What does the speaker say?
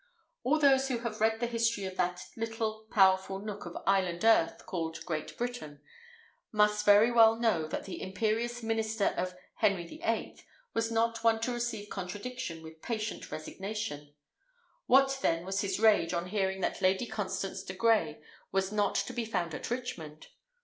All those who have read the history of that little, powerful nook of island earth called Great Britain, must very well know that the imperious minister of Henry the Eighth was not one to receive contradiction with patient resignation: what then was his rage on hearing that Lady Constance de Grey was not to be found at Richmond!